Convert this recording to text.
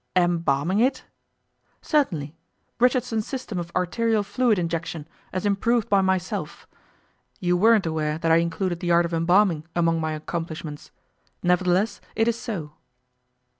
'Em balming it.' 'Certainly; Richardson's system of arterial fluid injection, as improved by myself. You weren't aware that I included the art of embalming among my accomplishments. Nevertheless, it is so.